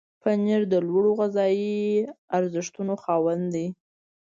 پنېر د لوړو غذایي ارزښتونو خاوند دی.